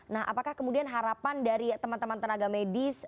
nah apakah kemudian harapan dari teman teman tenaga medis